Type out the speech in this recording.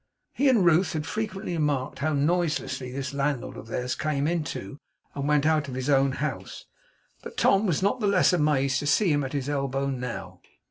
He and Ruth had frequently remarked how noiselessly this landlord of theirs came into and went out of his own house; but Tom was not the less amazed to see him at his elbow now.